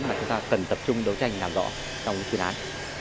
mà chúng ta cần tập trung đấu tranh làm rõ trong chuyên án